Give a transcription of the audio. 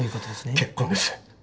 結婚です。